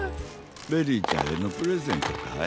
ベリーちゃんへのプレゼントかい？